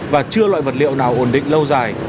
và chưa loại vật liệu nào ổn định lâu dài